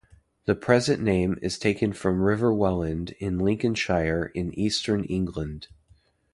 The present name is taken from River Welland in Lincolnshire in eastern England.